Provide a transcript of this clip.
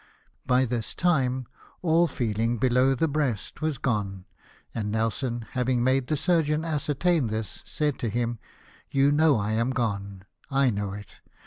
By this time all feeling below the breast was gone, and Nelson, having made the surgeon ascertain this, said to him, " You know I am gone. I know it.